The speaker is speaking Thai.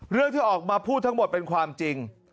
เรื่องที่ออกมาพูดทั้งหมดเป็นความจริง